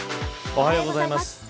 おはようございます。